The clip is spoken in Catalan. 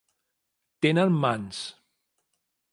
Tenen mans.